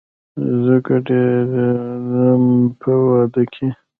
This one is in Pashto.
زه ګډېدم په وادۀ کې